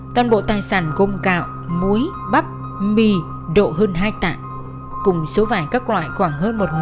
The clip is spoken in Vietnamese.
toàn bộ tài sản gồm gạo muối bắp mì độ hơn hai tạng cùng số vài các loại khoảng hơn một mét